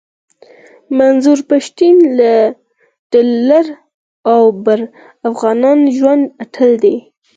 منظور پشتین د لر او بر افغانانو ژوندی اتل دی